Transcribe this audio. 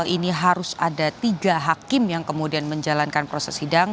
ini harus ada tiga hakim yang kemudian menjalankan proses sidang